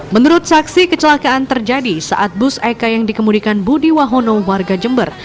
menurut saksi kecelakaan terjadi saat bus ek yang dikemudikan budi wahono warga jember